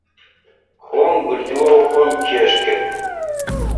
خۆم گرتەوە و خۆم کێش کرد.